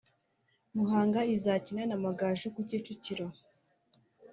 Muhanga izakina n’Amagaju ku Kicukiro